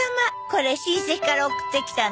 これ親戚から送ってきたの。